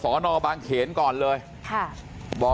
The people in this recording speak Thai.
สตร์นอกบางเขนก่อนเลยสสส